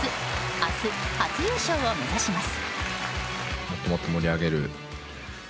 明日、初優勝を目指します。